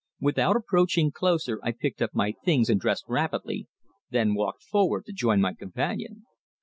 Without approaching closer I picked up my things and dressed rapidly, then walked forward to join my companion.